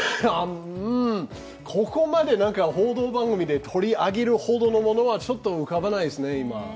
ここまで報道番組で取り上げるほどのものはちょっと浮かばないですね、今。